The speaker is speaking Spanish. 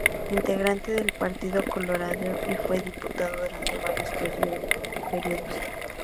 Integrante del Partido Colorado y fue diputado durante varios períodos.